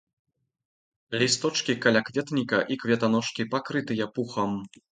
Лісточкі калякветніка і кветаножкі пакрытыя пухам.